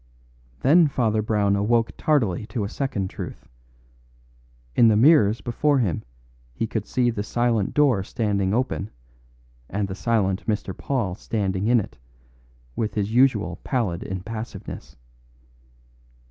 Then Father Brown awoke tardily to a second truth. In the mirrors before him he could see the silent door standing open, and the silent Mr. Paul standing in it, with his usual pallid impassiveness.